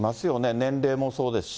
年齢もそうですし。